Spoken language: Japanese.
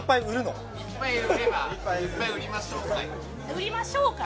「売りましょう会」？